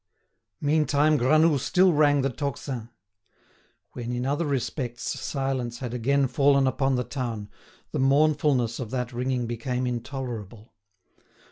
Meantime Granoux still rang the tocsin. When, in other respects, silence had again fallen upon the town, the mournfulness of that ringing became intolerable.